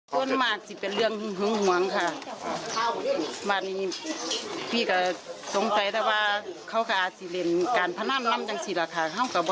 ถามเจ๊ว่าแกมีของแล้ว